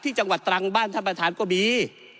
จังหวัดตรังบ้านท่านประธานก็มี